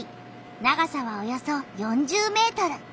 長さはおよそ４０メートル。